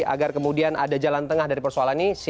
agar kemudian ada jalan tengah dari persoalan ini